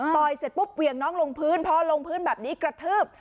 เสร็จปุ๊บเหวี่ยงน้องลงพื้นพอลงพื้นแบบนี้กระทืบ